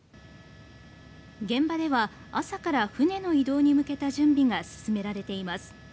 現場では朝から船の移動に向けた準備が進められています。